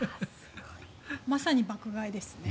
まさに爆買いですね。